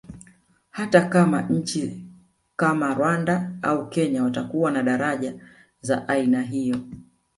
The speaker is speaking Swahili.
Hata kama nchi kama Rwanda au Kenya watakuwa na daraja za aina hiyo